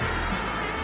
jangan makan aku